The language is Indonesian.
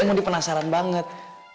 mondi penasaran banget